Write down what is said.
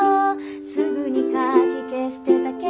すぐに掻き消してたけど」